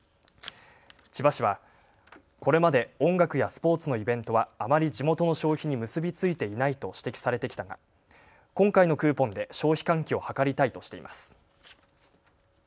千葉市はこれまで音楽やスポーツのイベントはあまり地元の消費に結び付いていないと指摘されてきたが今回のクーポンで消費喚起を図りたいとしています。